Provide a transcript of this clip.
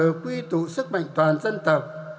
được quy tụ sức mạnh toàn dân tộc